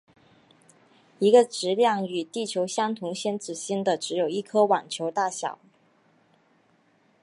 一个质量与地球相同先子星的只有一颗网球大小。